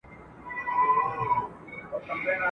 ځان د بل لپاره سوځول زده کړو !.